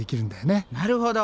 なるほど。